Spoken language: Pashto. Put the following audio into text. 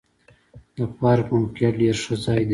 د پارک موقعیت ډېر ښه ځای دی.